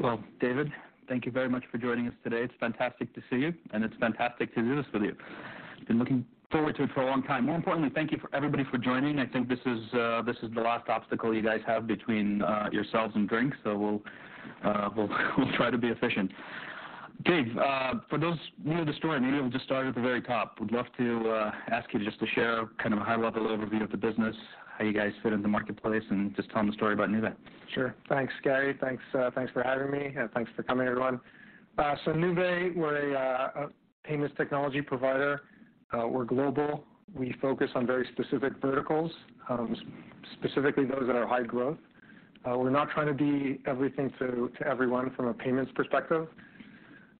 Well, David, thank you very much for joining us today. It's fantastic to see you, and it's fantastic to do this with you. Been looking forward to it for a long time. More importantly, thank you for everybody for joining. I think this is the last obstacle you guys have between yourselves and drinks, so we'll try to be efficient. Dave, for those who know the story, maybe we'll just start at the very top. We'd love to ask you just to share kind of a high-level overview of the business, how you guys fit into the marketplace, and just tell them the story about Nuvei. Sure. Thanks, Gary. Thanks, thanks for having me and thanks for coming, everyone. Nuvei, we're a payments technology provider. We're global. We focus on very specific verticals, specifically those that are high growth. We're not trying to be everything to everyone from a payments perspective.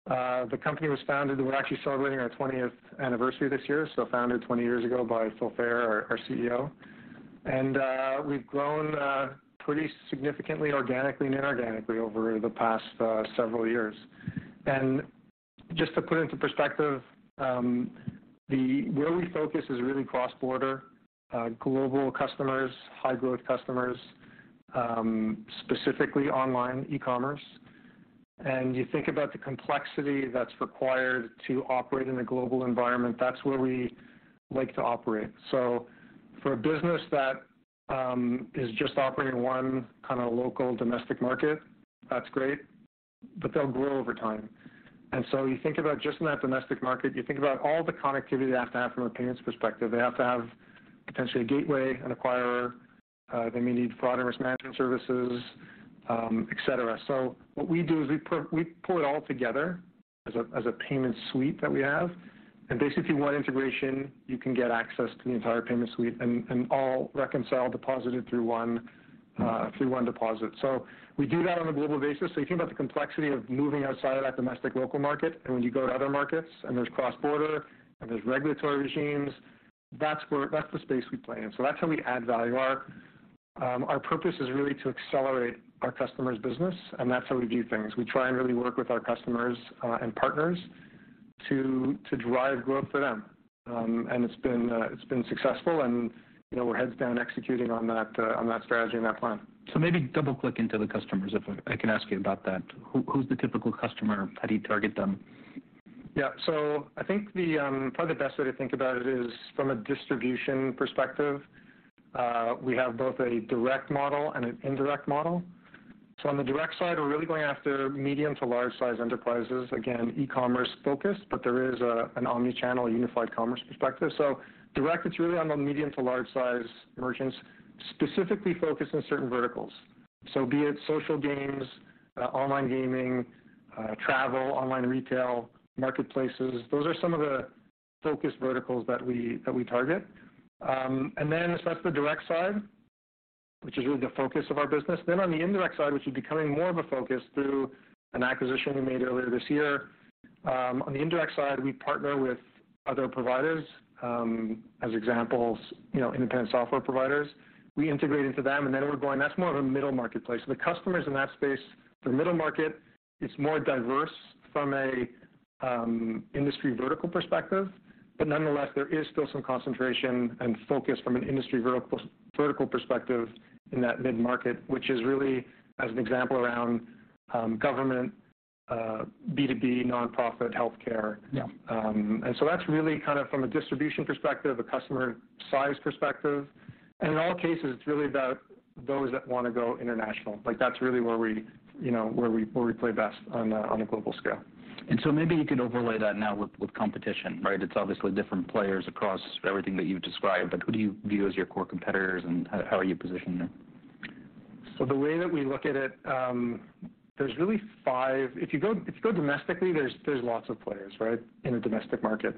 We're actually celebrating our 20th anniversary this year, founded 20 years ago by Philip Fayer, our CEO. We've grown pretty significantly organically and inorganically over the past several years. Just to put into perspective, where we focus is really cross-border, global customers, high-growth customers, specifically online e-commerce. You think about the complexity that's required to operate in a global environment, that's where we like to operate. For a business that is just operating one kinda local domestic market, that's great, but they'll grow over time. You think about just in that domestic market, you think about all the connectivity they have to have from a payments perspective. They have to have potentially a gateway, an acquirer, they may need Fraud and Risk Management services, et cetera. What we do is we pull it all together as a payment suite that we have. Basically one integration, you can get access to the entire payment suite and all reconciled, deposited through one, through one deposit. We do that on a global basis. You think about the complexity of moving outside of that domestic local market and when you go to other markets and there's cross-border and there's regulatory regimes, that's the space we play in. That's how we add value. Our, our purpose is really to accelerate our customers' business, and that's how we do things. We try and really work with our customers, and partners to drive growth for them. It's been successful and, you know, we're heads down executing on that, on that strategy and that plan. Maybe double-click into the customers, if I can ask you about that. Who's the typical customer? How do you target them? I think the probably the best way to think about it is from a distribution perspective. We have both a direct model and an indirect model. On the direct side, we're really going after medium to large size enterprises. Again, e-commerce focused, but there is an omni-channel unified commerce perspective. Direct, it's really on the medium to large size merchants, specifically focused on certain verticals. Be it social games, online gaming, travel, online retail, marketplaces, those are some of the focused verticals that we target. That's the direct side, which is really the focus of our business. On the indirect side, which is becoming more of a focus through an acquisition we made earlier this year. On the indirect side, we partner with other providers, as examples, you know, independent software providers. We integrate into them. That's more of a middle marketplace. The customers in that space for the mid-market, it's more diverse from a industry vertical perspective. Nonetheless, there is still some concentration and focus from an industry vertical perspective in that mid-market, which is really as an example around Government, B2B, Nonprofit, Healthcare. Yeah. That's really kind of from a distribution perspective, a customer size perspective. In all cases, it's really about those that wanna go international. Like, that's really where we, you know, where we play best on a global scale. Maybe you could overlay that now with competition, right? It's obviously different players across everything that you've described, but who do you view as your core competitors and how are you positioning them? The way that we look at it, there's really five... If you go domestically, there's lots of players, right, in a domestic market.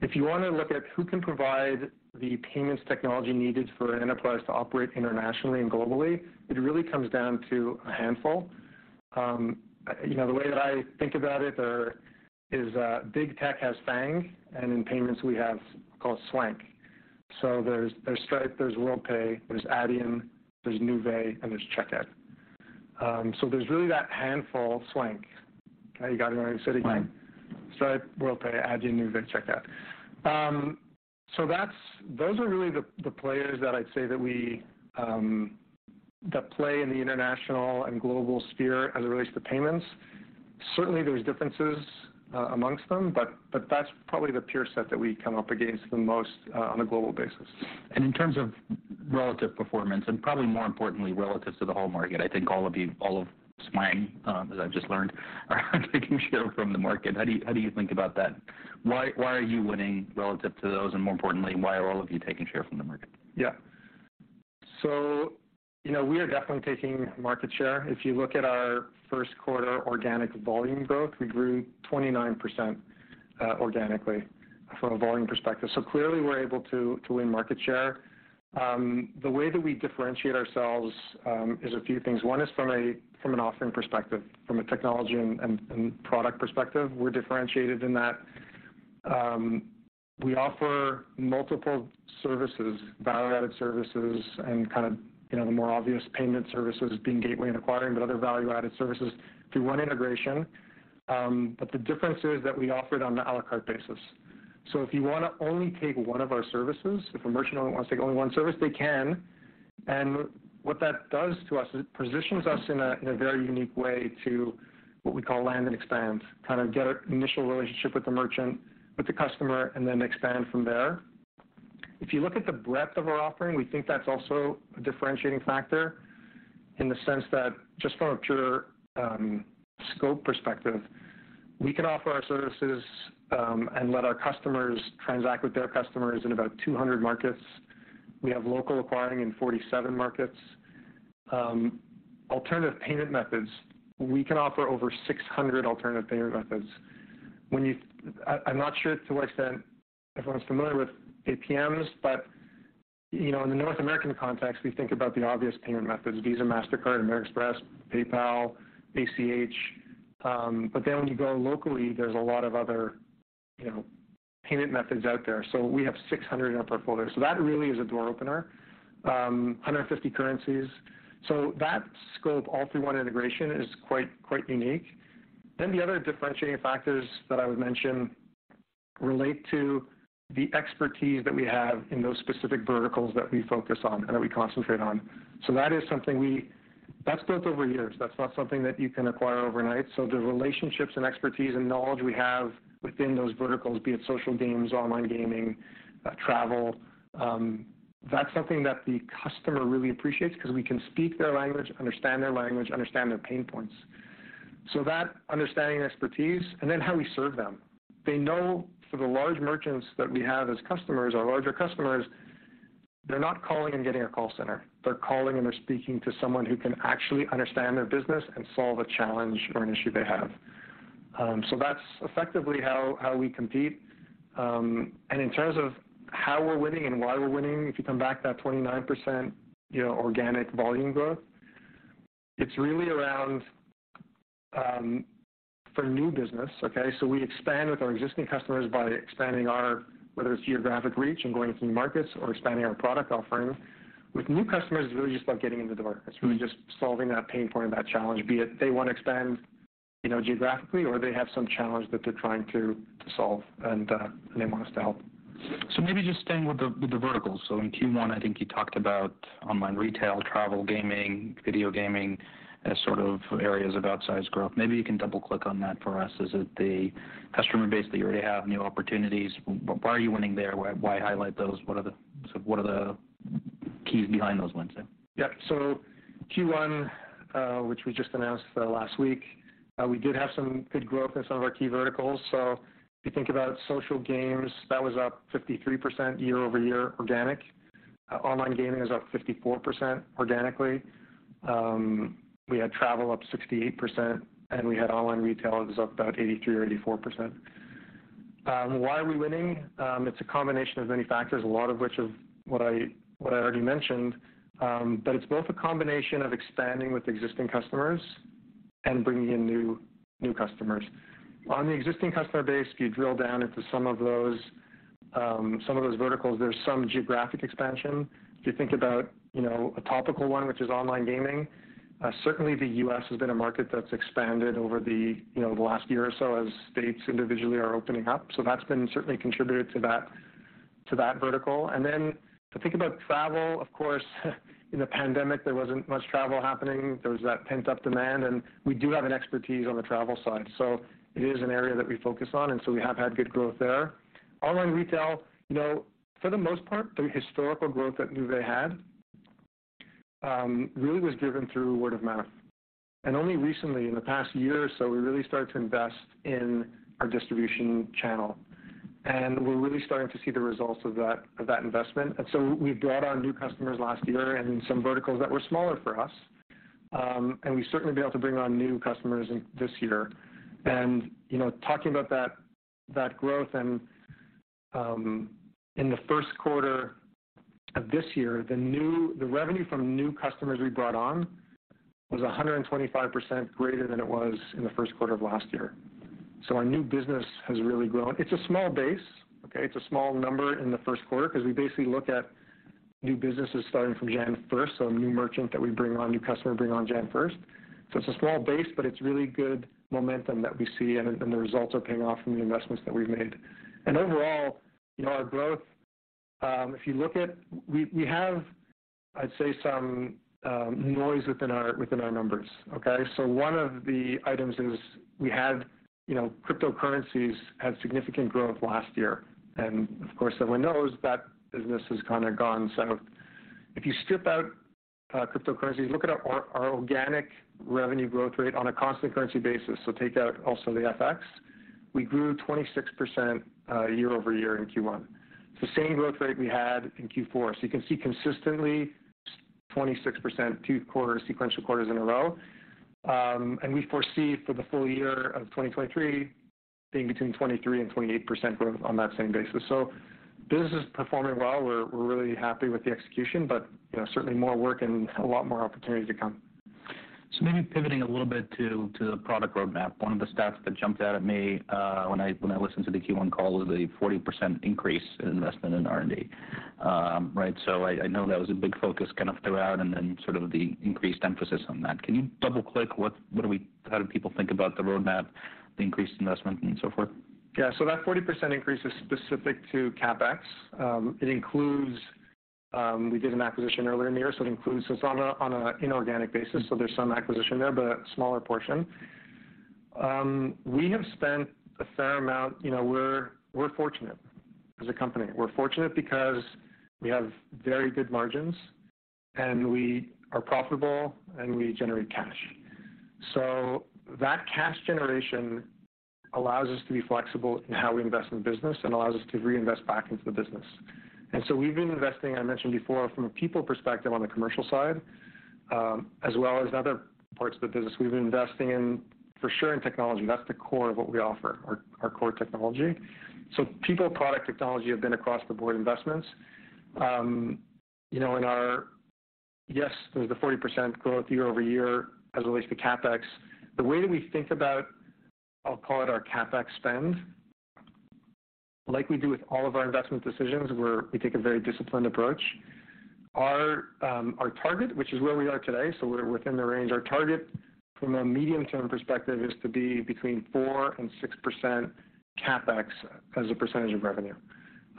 If you wanna look at who can provide the payments technology needed for an enterprise to operate internationally and globally, it really comes down to a handful. you know, the way that I think about it is, Big Tech has FAANG, and in payments we have called SWANC. there's Stripe, there's Worldpay, there's Adyen, there's Nuvei, and there's Checkout. there's really that handful, SWANC. Okay, you got me saying it again. Right. Stripe, Worldpay, Adyen, Nuvei, Checkout. Those are really the players that I'd say that we, that play in the international and global sphere as it relates to payments. Certainly, there's differences amongst them, but that's probably the peer set that we come up against the most on a global basis. In terms of relative performance, and probably more importantly relative to the whole market, I think all of SWANC, as I've just learned, are taking share from the market. How do you think about that? Why are you winning relative to those? More importantly, why are all of you taking share from the market? Yeah. You know, we are definitely taking market share. If you look at our first quarter organic volume growth, we grew 29% organically from a volume perspective. Clearly we're able to win market share. The way that we differentiate ourselves is a few things. One is from an offering perspective, from a technology and product perspective. We're differentiated in that. We offer multiple services, value-added services and kind of, you know, the more obvious payment services being gateway and acquiring, but other value-added services through 1 integration. The difference is that we offer it on an à la carte basis. So if you want to only take one of our services, if a merchant only wants to take only one service, they can. What that does to us is it positions us in a very unique way to what we call land and expand, kind of get an initial relationship with the merchant, with the customer, and then expand from there. If you look at the breadth of our offering, we think that's also a differentiating factor in the sense that just from a pure scope perspective, we can offer our services and let our customers transact with their customers in about 200 markets. We have local acquiring in 47 markets. Alternative payment methods, we can offer over 600 alternative payment methods. I'm not sure to what extent everyone's familiar with APMs, but, you know, in the North American context, we think about the obvious payment methods, Visa, Mastercard, American Express, PayPal, ACH. When you go locally, there's a lot of other, you know, payment methods out there. We have 600 in our portfolio. That really is a door opener. 150 currencies. That scope all through one integration is quite unique. The other differentiating factors that I would mention relate to the expertise that we have in those specific verticals that we focus on and that we concentrate on. That's built over years. That's not something that you can acquire overnight. The relationships and expertise and knowledge we have within those verticals, be it social games, online gaming, travel, that's something that the customer really appreciates because we can speak their language, understand their language, understand their pain points. That understanding and expertise, and then how we serve them. They know for the large merchants that we have as customers, our larger customers, they're not calling and getting a call center. They're calling, and they're speaking to someone who can actually understand their business and solve a challenge or an issue they have. That's effectively how we compete. In terms of how we're winning and why we're winning, if you come back that 29%, you know, organic volume growth, it's really around for new business, okay. We expand with our existing customers by expanding our, whether it's geographic reach and going to new markets or expanding our product offering. With new customers, it's really just about getting in the door. It's really just solving that pain point or that challenge, be it they wanna expand, you know, geographically, or they have some challenge that they're trying to solve and they want us to help. Maybe just staying with the, with the verticals. In Q1, I think you talked about online retail, travel, gaming, video gaming as sort of areas of outsized growth. Maybe you can double-click on that for us? Is it the customer base that you already have, new opportunities? Why are you winning there? Why highlight those? What are the keys behind those wins there? Q1, which we just announced last week, we did have some good growth in some of our key verticals. If you think about social games, that was up 53% year-over-year organic. Online gaming is up 54% organically. We had travel up 68%, and we had Online Retail, it was up about 83% or 84%. Why are we winning? It's a combination of many factors, a lot of which of what I already mentioned. It's both a combination of expanding with existing customers and bringing in new customers. On the existing customer base, if you drill down into some of those, some of those verticals, there's some geographic expansion. If you think about, you know, a topical one, which is Online Gaming, certainly the U.S. has been a market that's expanded over the, you know, the last year or so as states individually are opening up. That's been certainly contributed to that, to that vertical. If you think about travel, of course, in the pandemic, there wasn't much travel happening. There was that pent-up demand. We do have an expertise on the travel side. It is an area that we focus on. We have had good growth there. Online Retail, you know, for the most part, the historical growth that Nuvei had, really was driven through word of mouth. Only recently, in the past year or so, we really started to invest in our distribution channel, and we're really starting to see the results of that, of that investment. We've brought on new customers last year in some verticals that were smaller for us, and we've certainly been able to bring on new customers in this year. You know, talking about that growth, in the first quarter of this year, the revenue from new customers we brought on was 125% greater than it was in the first quarter of last year. Our new business has really grown. It's a small base, okay? It's a small number in the first quarter because we basically look at new businesses starting from January 1st, so a new merchant that we bring on, new customer bring on January 1st. It's a small base, but it's really good momentum that we see and the results are paying off from the investments that we've made. Overall, you know, our growth, I'd say, some noise within our numbers, okay. One of the items is we had, you know, cryptocurrencies had significant growth last year. Of course, everyone knows that business has kind of gone south. If you strip out cryptocurrencies, look at our organic revenue growth rate on a constant currency basis, so take out also the FX, we grew 26% year-over-year in Q1. It's the same growth rate we had in Q4. You can see consistently 26% 2 quarters, sequential quarters in a row. We foresee for the full year of 2023 being between 23% and 28% growth on that same basis. Business is performing well. We're really happy with the execution, but, you know, certainly more work and a lot more opportunity to come. Maybe pivoting a little bit to the product roadmap. One of the stats that jumped out at me when I listened to the Q1 call was a 40% increase in investment in R&D. Right. I know that was a big focus kind of throughout, and then sort of the increased emphasis on that. Can you double-click how do people think about the roadmap, the increased investment, and so forth? Yeah. So that 40% increase is specific to CapEx. It includes, we did an acquisition earlier in the year, so it includes this on a inorganic basis, so there's some acquisition there, but a smaller portion. We have spent a fair amount. You know, we're fortunate as a company. We're fortunate because we have very good margins, and we are profitable, and we generate cash. That cash generation allows us to be flexible in how we invest in the business and allows us to reinvest back into the business. We've been investing, I mentioned before, from a people perspective on the commercial side, as well as other parts of the business. We've been investing in, for sure, in technology. That's the core of what we offer, our core technology. So people, product, technology have been across-the-board investments. You know, in our Yes, there's the 40% growth year-over-year as it relates to CapEx. The way that we think about, I'll call it, our CapEx spend, like we do with all of our investment decisions, we take a very disciplined approach. Our target, which is where we are today, so we're within the range. Our target from a medium-term perspective is to be between 4% and 6% CapEx as a percentage of revenue,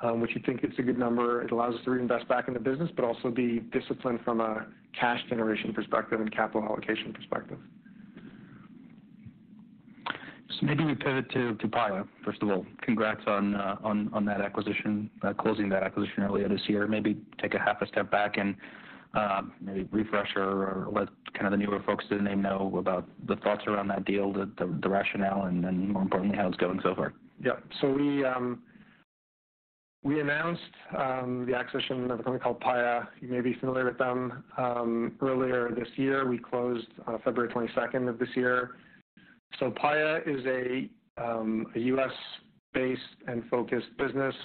which you think it's a good number. It allows us to reinvest back in the business but also be disciplined from a cash generation perspective and capital allocation perspective. Maybe we pivot to Paya. First of all, congrats on that acquisition, closing that acquisition earlier this year. Maybe take a half a step back and maybe refresh or let kind of the newer folks to the name know about the thoughts around that deal, the rationale, and then, more importantly, how it's going so far? We announced the acquisition of a company called Paya, you may be familiar with them, earlier this year. We closed on February 22nd of this year. Paya is a U.S.-based and focused business.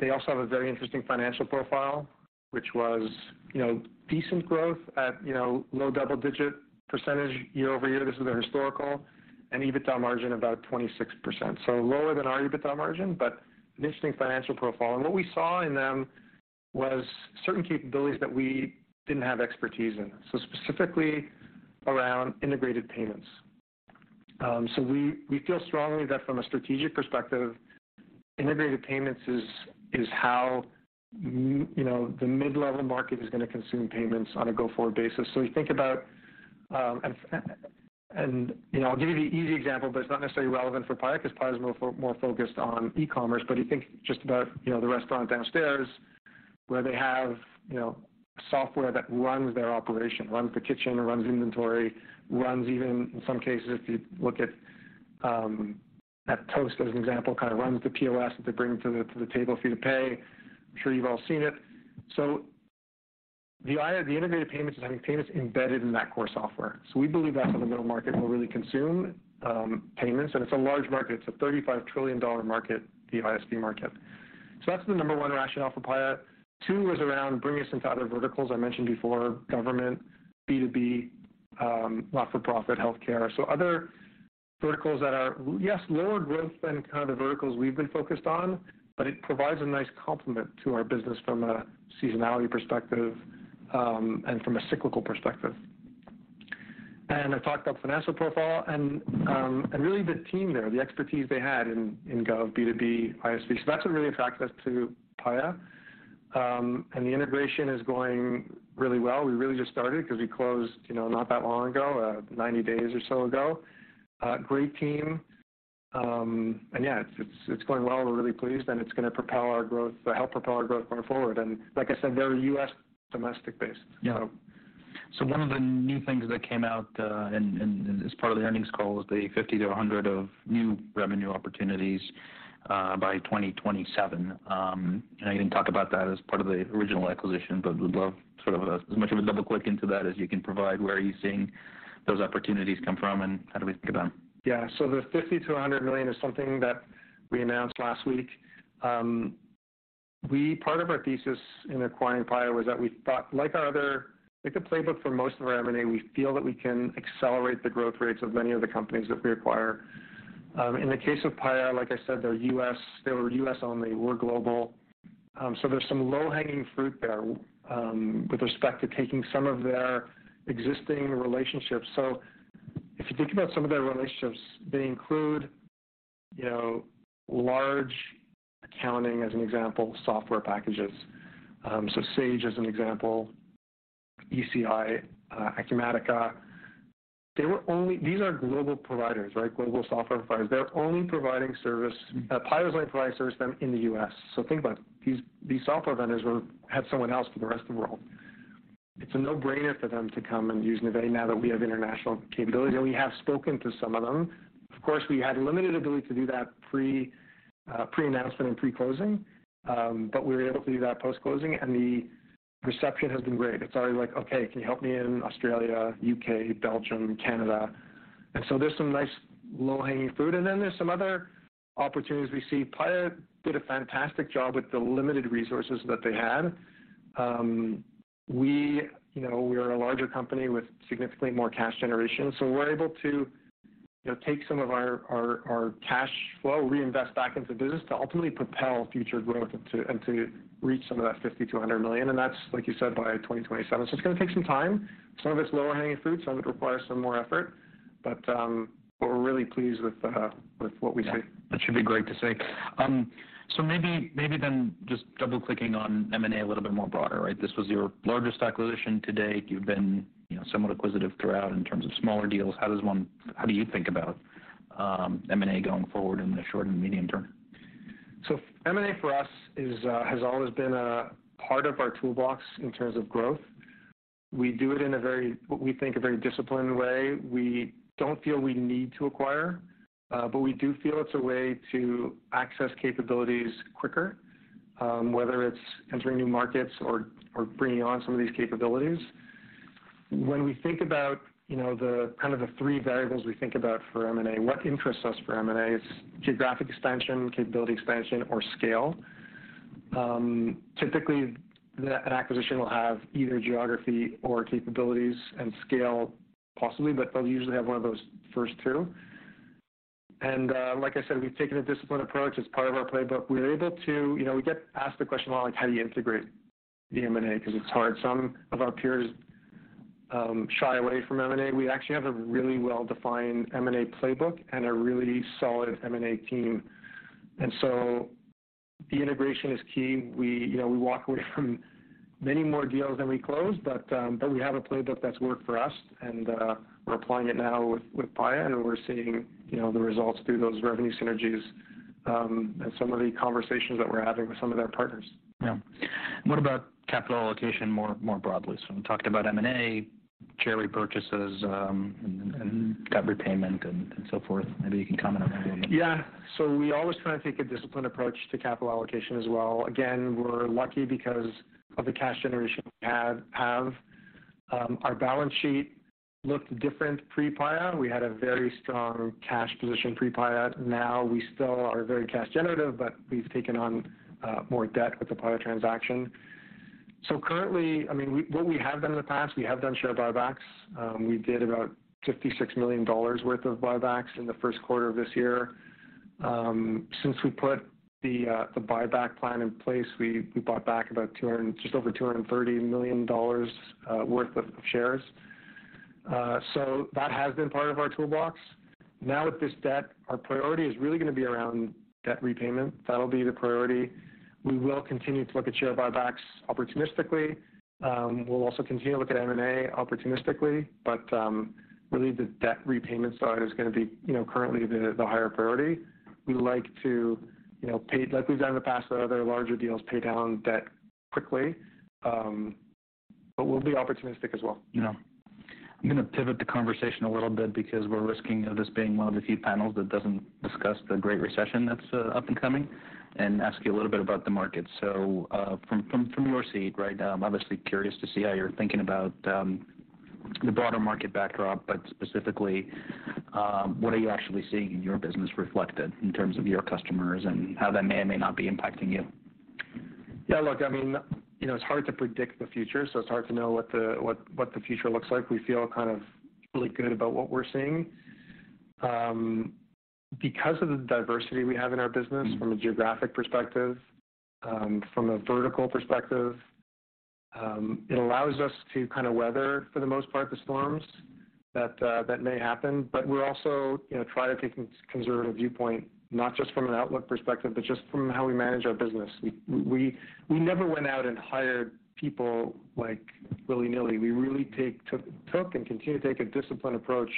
They also have a very interesting financial profile, which was, you know, decent growth at, you know, low double-digit % year-over-year. This is their historical and EBITDA margin about 26%. Lower than our EBITDA margin, but an interesting financial profile. What we saw in them was certain capabilities that we didn't have expertise in, specifically around integrated payments. We feel strongly that from a strategic perspective, integrated payments is how, you know, the mid-level market is gonna consume payments on a go-forward basis. We think about, you know, I'll give you the easy example, but it's not necessarily relevant for Paya, 'cause Paya is more focused on e-commerce. You think just about, you know, the restaurant downstairs where they have, you know, software that runs their operation, runs the kitchen, runs inventory, runs even, in some cases, if you look at Toast, as an example, kind of runs the POS that they bring to the table for you to pay. I'm sure you've all seen it. The integrated payments is having payments embedded in that core software. We believe that's how the middle market will really consume payments. It's a large market. It's a $35 trillion market, the ISV market. That's the number one rationale for Paya. Two was around bringing some other verticals I mentioned before, government, B2B, Not-for-Profit Healthcare. Other verticals that are, yes, lower growth than kind of the verticals we've been focused on, but it provides a nice complement to our business from a seasonality perspective, and from a cyclical perspective. I talked about the financial profile and really the team there, the expertise they had in gov, B2B, ISV. That's what really attracted us to Paya. The integration is going really well. We really just started because we closed, you know, not that long ago, 90 days or so ago. Great team. Yeah, it's going well. We're really pleased, and it's gonna help propel our growth going forward. Like I said, very U.S. domestic based. Yeah. one of the new things that came out, in this part of the earnings call was the $50 million- $100 million of new revenue opportunities, by 2027. I know you didn't talk about that as part of the original acquisition, but would love sort of a, as much of a double-click into that as you can provide. Where are you seeing those opportunities come from, and how do we think about them? The $50 million-$100 million is something that we announced last week. Part of our thesis in acquiring Paya was that we thought, like a playbook for most of our M&A, we feel that we can accelerate the growth rates of many of the companies that we acquire. In the case of Paya, like I said, they were U.S. only. We're global. There's some low-hanging fruit there with respect to taking some of their existing relationships. If you think about some of their relationships, they include, you know, large accounting, as an example, software packages. Sage as an example, ECI, Acumatica. These are global providers, right? Global software providers. Paya was only providing service to them in the U.S. Think about it. These software vendors had someone else for the rest of the world. It's a no-brainer for them to come and use Nuvei now that we have international capability. We have spoken to some of them. Of course, we had limited ability to do that pre-announcement and pre-closing, but we were able to do that post-closing, and the reception has been great. It's already like, "Okay, can you help me in Australia, U.K., Belgium, Canada?" There's some nice low-hanging fruit. Then there's some other opportunities we see. Paya did a fantastic job with the limited resources that they had. We, you know, we are a larger company with significantly more cash generation, so we're able to, you know, take some of our cash flow, reinvest back into the business to ultimately propel future growth and to reach some of that $50 million-$100 million. That's, like you said, by 2027. It's gonna take some time. Some of it's lower hanging fruit, some of it requires some more effort. We're really pleased with what we see. Yeah. That should be great to see. Maybe, maybe then just double-clicking on M&A a little bit more broader, right? This was your largest acquisition to date. You've been, you know, somewhat acquisitive throughout in terms of smaller deals. How do you think about M&A going forward in the short and medium term? M&A for us is has always been a part of our toolbox in terms of growth. We do it in a very, what we think, a very disciplined way. We don't feel we need to acquire, but we do feel it's a way to access capabilities quicker, whether it's entering new markets or bringing on some of these capabilities. When we think about, you know, the kind of the three variables we think about for M&A, what interests us for M&A is geographic expansion, capability expansion, or scale. Typically, an acquisition will have either geography or capabilities and scale possibly, but they'll usually have one of those first two. Like I said, we've taken a disciplined approach as part of our playbook. We're able to... You know, we get asked the question a lot, like how do you integrate the M&A because it's hard. Some of our peers shy away from M&A. We actually have a really well-defined M&A playbook and a really solid M&A team. The integration is key. We, you know, we walk away from many more deals than we close, but we have a playbook that's worked for us, and we're applying it now with Paya, and we're seeing, you know, the results through those revenue synergies, and some of the conversations that we're having with some of their partners. Yeah. What about capital allocation more, more broadly? We talked about M&A, share repurchases, and debt repayment and so forth. Maybe you can comment on that a little bit. We always try to take a disciplined approach to capital allocation as well. Again, we're lucky because of the cash generation we have. Our balance sheet looked different pre-Paya. We had a very strong cash position pre-Paya. Now we still are very cash generative, but we've taken on more debt with the Paya transaction. Currently, what we have done in the past, we have done share buybacks. We did about $56 million worth of buybacks in the first quarter of this year. Since we put the buyback plan in place, we bought back about just over $230 million worth of shares. That has been part of our toolbox. Now with this debt, our priority is really going to be around debt-repayment. That will be the priority. We will continue to look at share buybacks opportunistically. We'll also continue to look at M&A opportunistically, but, really the debt repayment side is gonna be, you know, currently the higher priority. We like to, you know, pay, like we've done in the past with other larger deals, pay down debt quickly. We'll be opportunistic as well. Yeah. I'm gonna pivot the conversation a little bit because we're risking this being one of the few panels that doesn't discuss the Great Recession that's up and coming and ask you a little bit about the market. From your seat, right? I'm obviously curious to see how you're thinking about the broader market backdrop, but specifically, what are you actually seeing in your business reflected in terms of your customers and how that may or may not be impacting you? Look, I mean, you know, it's hard to predict the future, it's hard to know what the future looks like. We feel kind of really good about what we're seeing. Because of the diversity we have in our business from a geographic perspective, from a vertical perspective, it allows us to kind of weather, for the most part, the storms that may happen. We're also, you know, try to take a conservative viewpoint, not just from an outlook perspective, but just from how we manage our business. We never went out and hired people like willy-nilly. We really took and continue to take a disciplined approach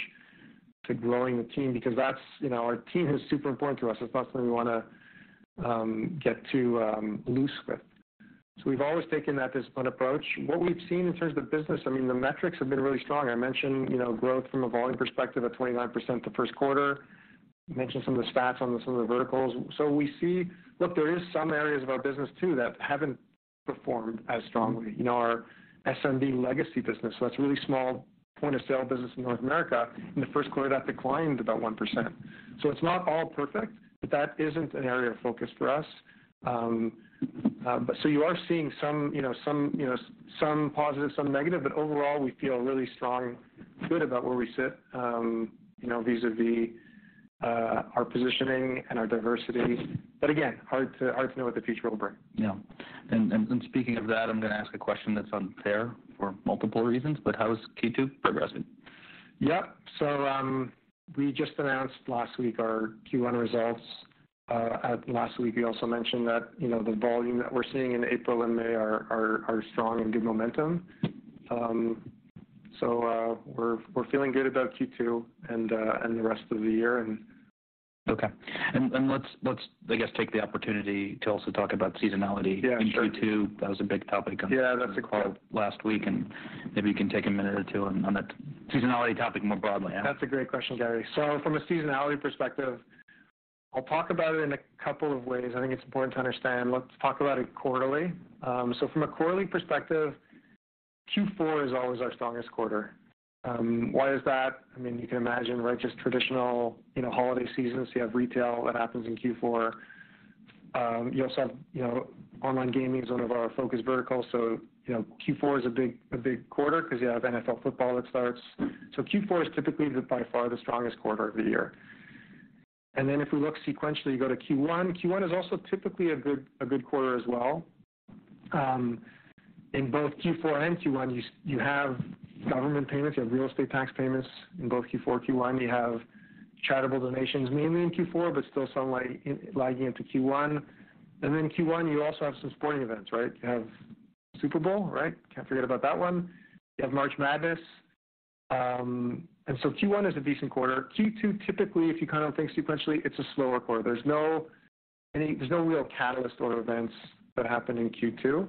to growing the team because that's, you know, our team is super important to us. That's not something we wanna get too loose with. We've always taken that disciplined approach. What we've seen in terms of business, I mean, the metrics have been really strong. I mentioned, you know, growth from a volume perspective of 29% the first quarter. Mentioned some of the stats on some of the verticals. We see. Look, there is some areas of our business too that haven't performed as strongly. You know, our SMB legacy business, so that's really small point-of-sale business in North America. In the first quarter, that declined about 1%. It's not all perfect, but that isn't an area of focus for us. You are seeing some, you know, some, you know, some positive, some negative, but overall, we feel really strong, good about where we sit, you know, vis-a-vis, our positioning and our diversity. Again, hard to know what the future will bring. Yeah. Speaking of that, I'm gonna ask a question that's unfair for multiple reasons, but how is Q2 progressing? Yep. We just announced last week our Q1 results. At last week, we also mentioned that, you know, the volume that we're seeing in April and May are strong and good momentum. We're feeling good about Q2 and the rest of the year. Okay. let's, I guess, take the opportunity to also talk about seasonality- Yeah, sure. in Q2. That was a big topic. Yeah, that's a great-. The call last week, and maybe you can take a minute or two on that seasonality topic more broadly. That's a great question, Gary. From a seasonality perspective, I'll talk about it in a couple of ways. I think it's important to understand. Let's talk about it quarterly. From a quarterly perspective, Q4 is always our strongest quarter. Why is that? I mean, you can imagine, right, just traditional, you know, holiday season, so you have retail, that happens in Q4. You also have, you know, online gaming is one of our focus verticals. You know, Q4 is a big quarter 'cause you have NFL football that starts. Q4 is typically the by far the strongest quarter of the year. If we look sequentially, you go to Q1. Q1 is also typically a good quarter as well. In both Q4 and Q1, you have Government payments, you have Real Estate Tax payments in both Q4, Q1. You have charitable donations mainly in Q4, but still some lagging into Q1. Q1, you also have some sporting events, right? You have Super Bowl, right? Can't forget about that one. You have March Madness. Q1 is a decent quarter. Q2, typically, if you kind of think sequentially, it's a slower quarter. There's no real catalyst or events that happen in Q2.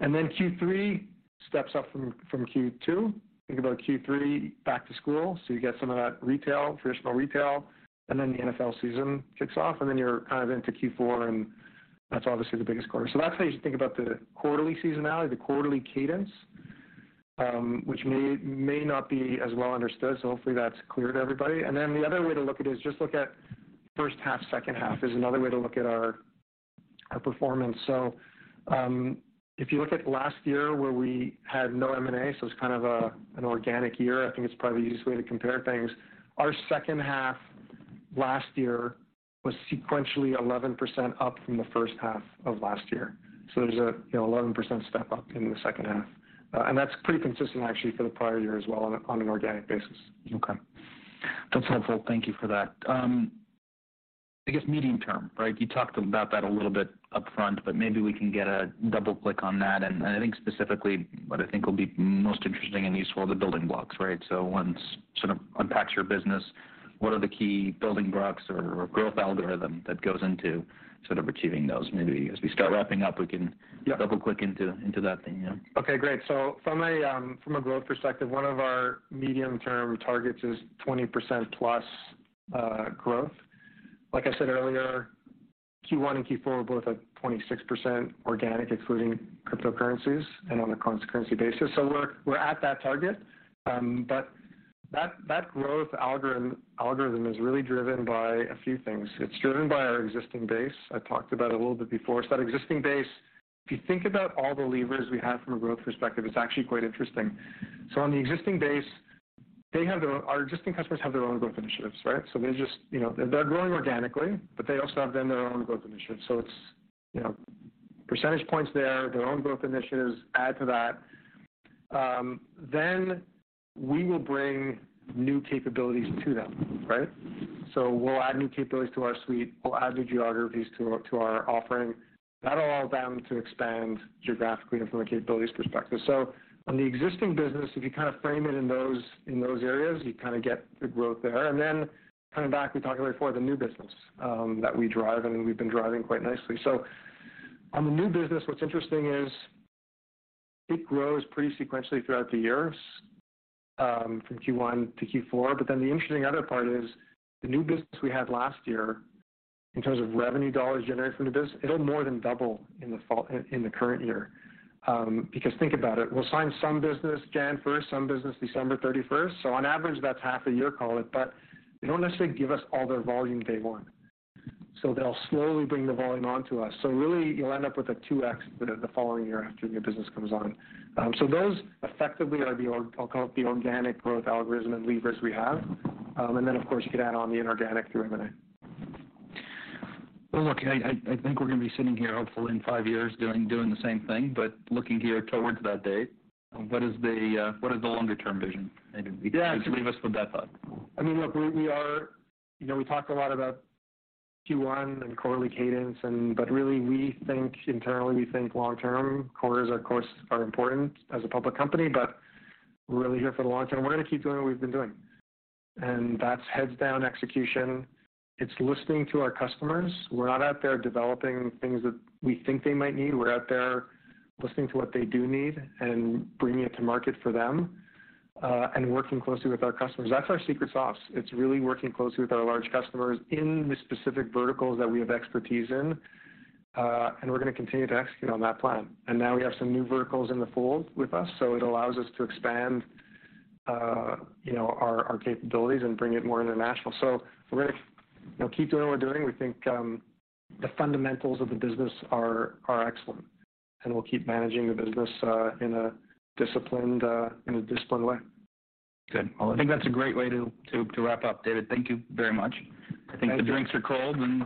Q3 steps up from Q2. Think about Q3, back to school, so you get some of that retail, traditional retail, and then the NFL season kicks off, and then you're kind of into Q4, and that's obviously the biggest quarter. That's how you think about the quarterly seasonality, the quarterly cadence, which may not be as well understood, so hopefully that's clear to everybody. The other way to look at it is just look at first half, second half is another way to look at our performance. If you look at last year where we had no M&A, so it's kind of an organic year, I think it's probably the easiest way to compare things. Our second half last year was sequentially 11% up from the first half of last year. There's a, you know, 11% step up in the second half. That's pretty consistent actually for the prior year as well on a, on an organic basis. Okay. That's helpful. Thank you for that. I guess medium term, right? You talked about that a little bit upfront, but maybe we can get a double click on that. I think specifically what I think will be most interesting and useful are the building blocks, right? Once sort of unpacks your business, what are the key building blocks or growth algorithm that goes into sort of achieving those? Maybe as we start wrapping up, we can. Yeah. double click into that then, yeah. Okay, great. From a growth perspective, one of our medium-term targets is 20%+ growth. Like I said earlier, Q1 and Q4 were both at 26% organic, excluding cryptocurrencies and on a constant currency basis. We're at that target. But that growth algorithm is really driven by a few things. It's driven by our existing base. I talked about a little bit before. That existing base, if you think about all the levers we have from a growth perspective, it's actually quite interesting. On the existing base, our existing customers have their own growth initiatives, right? They're just, you know, they're growing organically, but they also have then their own growth initiatives. It's, you know, percentage points there, their own growth initiatives add to that. We will bring new capabilities to them, right. We'll add new capabilities to our suite. We'll add new geographies to our, to our offering. That'll allow them to expand geographically and from a capabilities perspective. On the existing business, if you kind of frame it in those, in those areas, you kinda get the growth there. Coming back, we talked before, the new business that we drive and we've been driving quite nicely. On the new business, what's interesting is it grows pretty sequentially throughout the years from Q1 to Q4. The interesting other part is the new business we had last year in terms of revenue $ generated from the business, it'll more than double in the current year. Think about it, we'll sign some business Jan first, some business December thirty-first. On average, that's half a year call it, but they don't necessarily give us all their volume day 1. They'll slowly bring the volume onto us. Really you'll end up with a 2x the following year after the new business comes on. Those effectively are the, I'll call it the organic growth algorithm and levers we have. Of course, you could add on the inorganic through M&A. Well, look, I think we're gonna be sitting here hopefully in five years doing the same thing, Looking here towards that date, what is the longer term vision? Maybe just leave us with that thought. I mean, look, you know, we are, we talked a lot about Q1 and quarterly cadence. Really, we think internally, we think long-term. Quarters, of course, are important as a public company. We're really here for the long term. We're gonna keep doing what we've been doing. That's heads down execution. It's listening to our customers. We're not out there developing things that we think they might need. We're out there listening to what they do need and bringing it to market for them, and working closely with our customers. That's our secret sauce. It's really working closely with our large customers in the specific verticals that we have expertise in, and we're gonna continue to execute on that plan. Now we have some new verticals in the fold with us, so it allows us to expand, you know, our capabilities and bring it more international. We're gonna, you know, keep doing what we're doing. We think, the fundamentals of the business are excellent, and we'll keep managing the business in a disciplined way. Good. Well, I think that's a great way to wrap up, David. Thank you very much. Thank you. I think the drinks are cold and